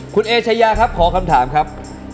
คุณเอชายาครับขอคำถามครับ